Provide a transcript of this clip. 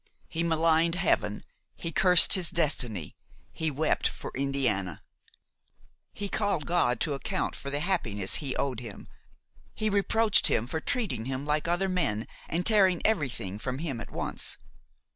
He maligned Heaven, he cursed his destiny, he wept for Indiana. He called God to account for the happiness He owed him. He reproached Him for treating him like other men and tearing everything from him at once.